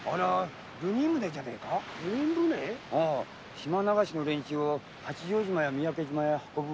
島流しの連中を八丈島や三宅島へ運ぶ。